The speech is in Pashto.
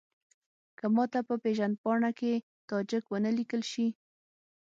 که ماته په پېژندپاڼه کې تاجک ونه لیکل شي.